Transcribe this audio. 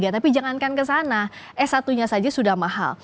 tapi jangankan ke sana s satu nya saja sudah mahal